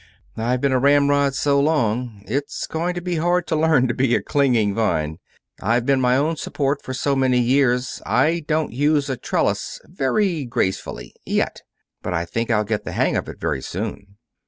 "I've been a ramrod so long it's going to be hard to learn to be a clinging vine. I've been my own support for so many years, I don't use a trellis very gracefully yet. But I think I'll get the hang of it very soon."